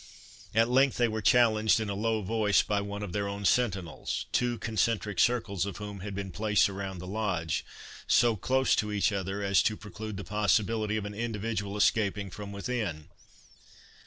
At length they were challenged, in a low voice, by one of their own sentinels, two concentric circles of whom had been placed around the Lodge, so close to each other, as to preclude the possibility of an individual escaping from within.